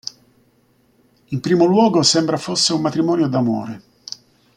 In primo luogo, sembra fosse un matrimonio d'amore.